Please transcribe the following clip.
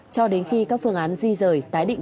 cho đến khi các phương án di rời tái định